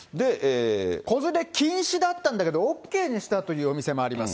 子連れ禁止だったんだけど、ＯＫにしたというお店もあります。